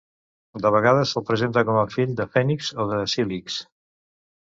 De vegades se'l presenta com a fill de Fènix o de Cílix.